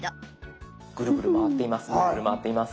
ぐるぐる回っています